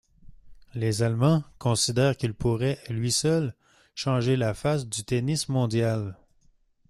Les allemands considèrent qu'il pourrait à lui seul changer la face du tennis mondial.